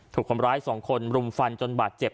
ถูกคนร้าย๒คนรุมฟันจนบาดเจ็บ